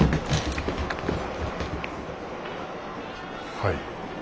はい。